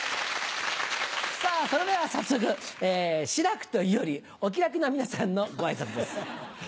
さぁそれでは早速志らくというよりお気ラクな皆さんのご挨拶です。